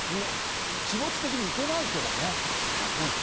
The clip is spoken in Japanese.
気持ち的にいけないけどね。